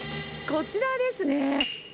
こちらですね。